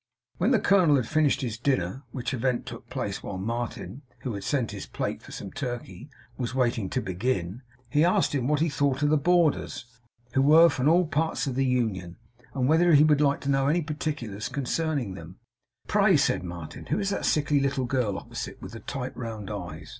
When the colonel had finished his dinner, which event took place while Martin, who had sent his plate for some turkey, was waiting to begin, he asked him what he thought of the boarders, who were from all parts of the Union, and whether he would like to know any particulars concerning them. 'Pray,' said Martin, 'who is that sickly little girl opposite, with the tight round eyes?